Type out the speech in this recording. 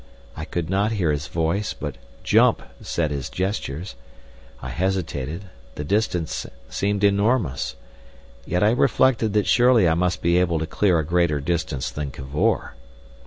I could not hear his voice, but "jump" said his gestures. I hesitated, the distance seemed enormous. Yet I reflected that surely I must be able to clear a greater distance than Cavor.